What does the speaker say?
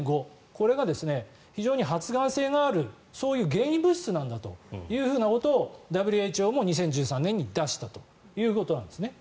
これが非常に発がん性のあるそういう原因物質なんだということをＷＨＯも２０１３年に出したということです。